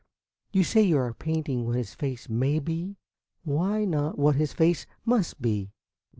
You say you are painting what his face may be; why not what his face must be?"